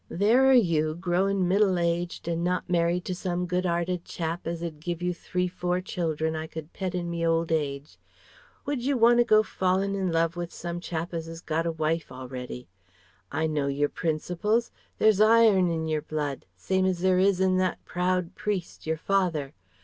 There are you, growin' middle aged and not married to some good 'earted chap as 'd give you three four children I could pet in me old age. Wodjer want to go fallin' in love with some chap as 'as got a wife already? I know your principles. There's iron in yer blood, same as there is in that proud priest, your father.